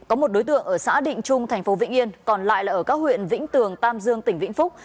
có một đối tượng ở xã định trung thành phố vĩnh yên còn lại là ở các huyện vĩnh tường tam dương tỉnh vĩnh phúc